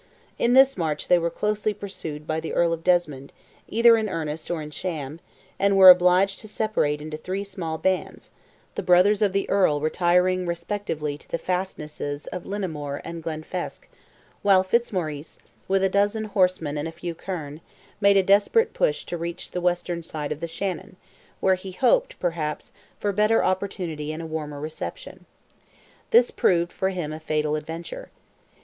In this march they were closely pursued by the Earl of Desmond, either in earnest or in sham, and were obliged to separate into three small bands, the brothers of the Earl retiring respectively to the fastnesses of Lymnamore and Glenfesk, while Fitzmaurice, with "a dozen horsemen and a few kerne," made a desperate push to reach the western side of the Shannon, where he hoped, perhaps, for better opportunity and a warmer reception. This proved for him a fatal adventure.